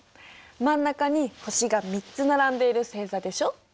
真ん中に星が３つ並んでいる星座でしょ。